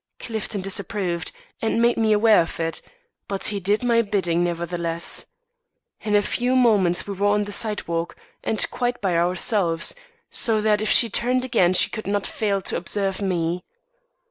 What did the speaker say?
Clifton disapproved, and made me aware of it; but he did my bidding, nevertheless. In a few moments we were on the sidewalk, and quite by ourselves; so that, if she turned again she could not fail to observe me.